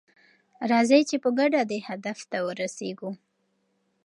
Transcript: راځئ چې په ګډه دې هدف ته ورسیږو.